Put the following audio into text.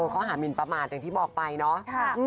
ข้อหามินประมาทอย่างที่บอกไปเนาะ